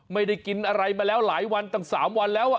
ไม่ได้กินอะไรมาแล้วหลายวันตั้ง๓วันแล้ว